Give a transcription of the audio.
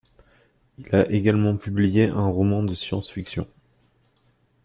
Il a également publié un roman de science-fiction.